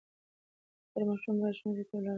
هر ماشوم باید ښوونځي ته ولاړ سي.